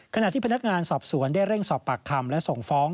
ขณะที่พนักงานสอบสวนได้เร่งสอบปากคำและส่งฟ้อง